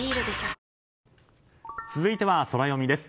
」続いてはソラよみです。